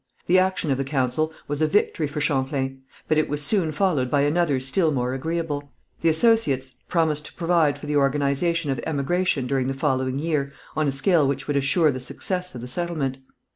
The action of the council was a victory for Champlain, but it was soon followed by another still more agreeable. The associates promised to provide for the organization of emigration during the following year on a scale which would assure the success of the settlement.